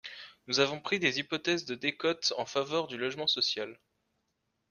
Nous avons pris des hypothèses de décote en faveur du logement social.